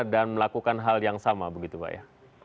dan melakukan hal yang sama begitu pak ya